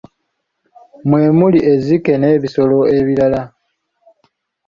Mwe muli ezzike n'ebisolo ebirala.